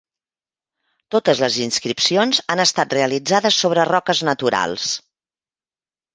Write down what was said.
Totes les inscripcions han estat realitzades sobre roques naturals.